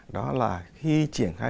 đó là khi triển khai